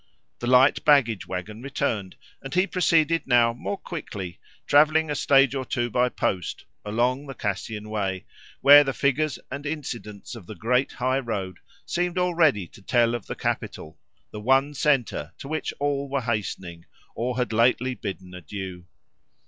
The light baggage wagon returned, and he proceeded now more quickly, travelling a stage or two by post, along the Cassian Way, where the figures and incidents of the great high road seemed already to tell of the capital, the one centre to which all were hastening, or had lately bidden adieu.